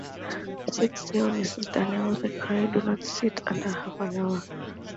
‘Sit still, Mrs. Dean,’ I cried; ‘do sit still another half-hour'.